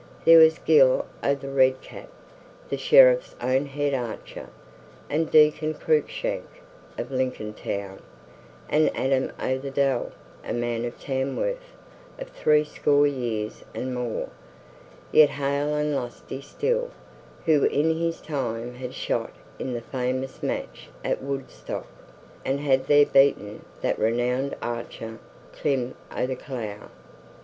There was Gill o' the Red Cap, the Sheriff's own head archer, and Diccon Cruikshank of Lincoln Town, and Adam o' the Dell, a man of Tamworth, of threescore years and more, yet hale and lusty still, who in his time had shot in the famous match at Woodstock, and had there beaten that renowned archer, Clym o' the Clough.